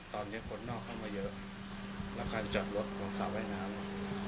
ตอนนี้คนนอกเข้ามาเยอะแล้วการจอดรถลงสระว่ายน้ำ